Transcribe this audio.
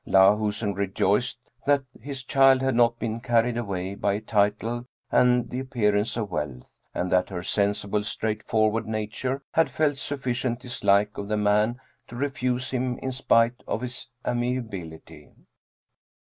Lahusen rejoiced that his child had not been carried away by a title and the appearance of wealth, and that her sensible straightforward nature had felt sufficient dislike of the man to refuse him in spite of his amiability.